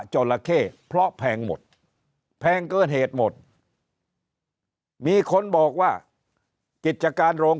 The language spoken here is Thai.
จราเข้เพราะแพงหมดแพงเกินเหตุหมดมีคนบอกว่ากิจการโรง